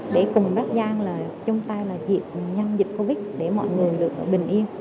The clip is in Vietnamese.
để cùng bác giang là chung tay là dịch nhanh dịch covid để mọi người được bình yên